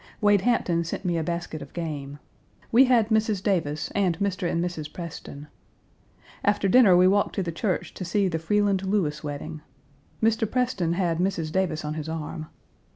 Wade Hampton sent me a basket of game. We had Mrs. Davis and Mr. and Mrs. Preston. After dinner we walked to the church to see the Freeland Lewis wedding. Mr. Preston had Mrs. Davis on his arm.